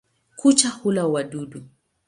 Kucha hula wadudu.